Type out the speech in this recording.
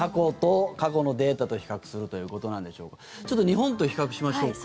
過去のデータと比較するということなんでしょうがちょっと日本と比較しましょうか。